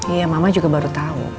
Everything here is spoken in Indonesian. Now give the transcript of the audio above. iya mama juga baru tahu